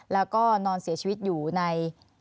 แล้วก็นอนเสียชีวิตอยู่ใน